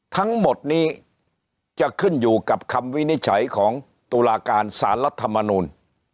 ทั้งหมดนี้จะขึ้นอยู่กับคำวินิจฉัยของตุลาการสารรัฐมนูล